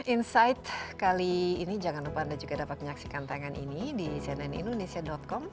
insight kali ini jangan lupa anda juga dapat menyaksikan tangan ini di cnnindonesia com